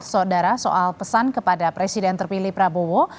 saudara soal pesan kepada presiden terpilih prabowo